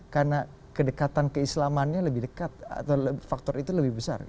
karena kedekatan keislamannya lebih dekat atau faktor itu lebih besar